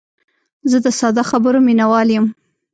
زه د ساده خبرو مینوال یم.